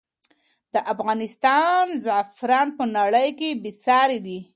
د افغانستان زعفران په نړۍ کې بې ساری دی.